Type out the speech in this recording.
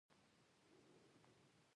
خاطره، لومړۍ کیسه ، د پښتو پت